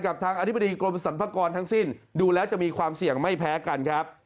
ทางอธิบดีกรมสรรพากรทั้งสิ้นดูแล้วจะมีความเสี่ยงไม่แพ้กันครับ